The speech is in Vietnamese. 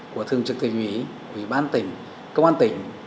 của thường trực tình ủy quỹ ban tỉnh công an tỉnh